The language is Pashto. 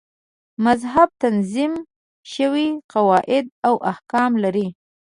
مذهب تنظیم شوي قواعد او احکام لري.